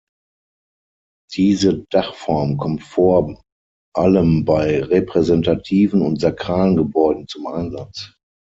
Diese Dachform kommt vor allem bei repräsentativen und sakralen Gebäuden zum Einsatz.